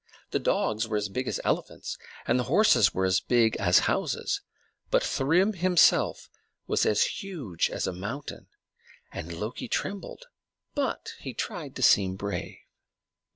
The dogs were as big as elephants, and the horses were as big as houses, but Thrym himself was as huge as a mountain; and Loki trembled, but he tried to seem brave.